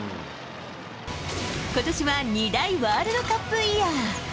ことしは２大ワールドカップイヤー。